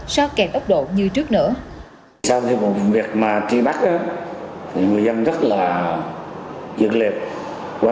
so kẹt ốc độ như trước nữa